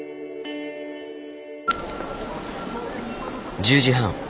１０時半。